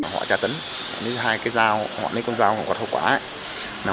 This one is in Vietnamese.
họ tra tấn họ lấy hai cái dao họ lấy con dao còn có thâu quả